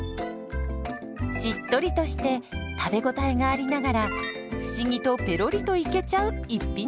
しっとりとして食べ応えがありながら不思議とペロリといけちゃう逸品です。